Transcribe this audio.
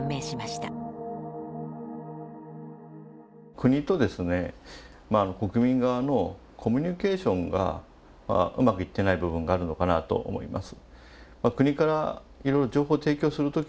国とですね国民側のコミュニケーションがうまくいってない部分があるのかなと思います。